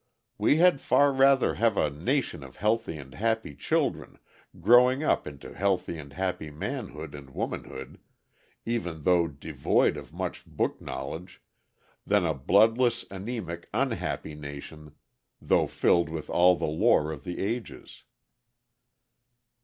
We had far rather have a nation of healthy and happy children, growing up into healthy and happy manhood and womanhood, even though devoid of much book knowledge, than a bloodless, anæmic, unhappy nation though filled with all the lore of the ages.